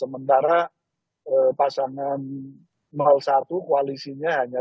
sementara pasangan satu koalisinya hanya satu ratus enam puluh